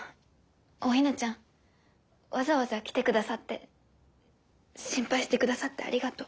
お雛ちゃんわざわざ来てくださって心配してくださってありがとう。